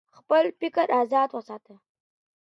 خپل فکر آزاد وساتئ.